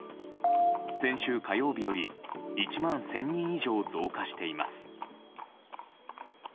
先週火曜日より１万１０００人以上増加しています。